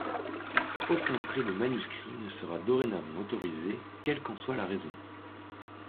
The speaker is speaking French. Aucun prêt de manuscrits ne sera dorénavant autorisé qu’elle qu’en soit la raison.